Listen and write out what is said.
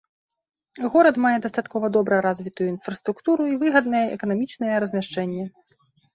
Горад мае дастаткова добра развітую інфраструктуру і выгаднае эканамічнае размяшчэнне.